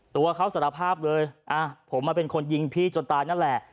ตัวเขาสารภาพเลยผมมาเป็นคนยิงพี่จนตายนั่นแหละ